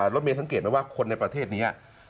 รถเมดที่สังเกตว่าคนในประเทศนี้